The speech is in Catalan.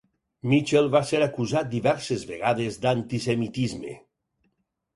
Mitchell va ser acusat diverses vegades d'antisemitisme.